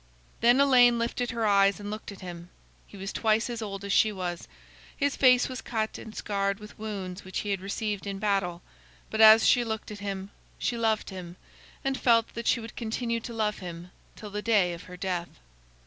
Then Elaine lifted her eyes and looked at him. He was twice as old as she was. His face was cut and scarred with wounds which he had received in battle, but as she looked at him, she loved him, and felt that she would continue to love him till the day of her death.